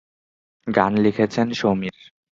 গান লিখেছেন সমীর।